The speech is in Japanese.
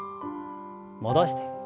戻して。